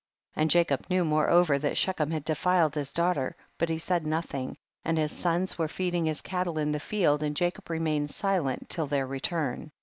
15. And Jacob knew moreover that Shechem had defiled his daugh ter, but he said nothing, and his sons were feeding his cattle in the field, and Jacob remained silent till their return.